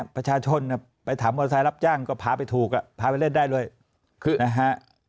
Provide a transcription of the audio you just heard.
ประชาชนไปถามมอเซล์รับจ้างก็พาไปถูกอ่ะพาไปเล่นได้เลยนะฮะ